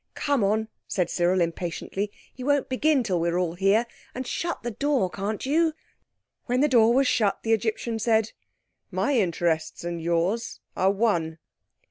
"Come on," said Cyril impatiently. "He won't begin till we're all here. And shut the door, can't you?" When the door was shut the Egyptian said— "My interests and yours are one."